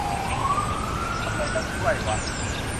ทำไมต้องช่วยวะ